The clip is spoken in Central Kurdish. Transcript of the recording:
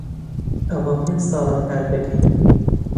ئەوە پێنج ساڵە کار دەکەین.